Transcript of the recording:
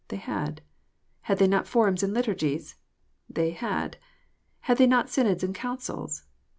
They had. Had they not forms and liturgies? They had. Had they not synods and councils?